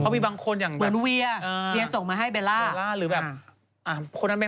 มันก็มีแบบดอกไม้ให้เอาดอกไม้ให้